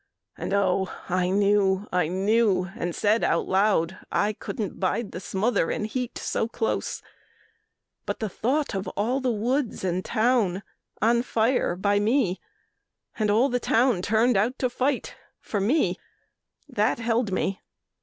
And oh, I knew, I knew, And said out loud, I couldn't bide the smother And heat so close in; but the thought of all The woods and town on fire by me, and all The town turned out to fight for me that held me.